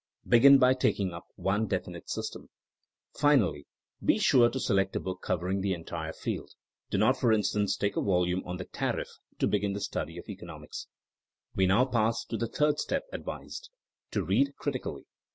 Begin by taking up one definite system. Finally, be sure to select a book covering the entire field. Do not, for instance, take a volume on the tariff to begin the study of economics. We pass now to the third step advised — to read critically.